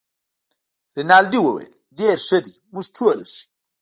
رینالډي وویل: ډیر ښه دي، موږ ټوله ښه یو.